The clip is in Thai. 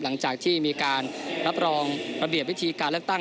หลังจากที่มีการรับรองระเบียบวิธีการเลือกตั้ง